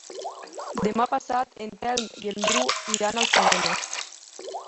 Demà passat en Telm i en Bru iran al cinema.